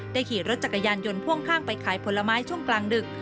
ขี่รถจักรยานยนต์พ่วงข้างไปขายผลไม้ช่วงกลางดึก